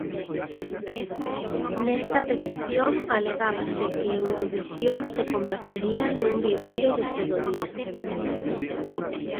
Nesta petición alegábase que Eurovisión se convertería "nun viveiro de sodomía".